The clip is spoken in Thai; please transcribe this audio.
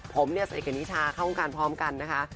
ผมเนี่ยสนิทกับนิชาเข้าวงการพร้อมกันนะคะ